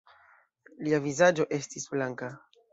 Lia vizaĝo estis blanka.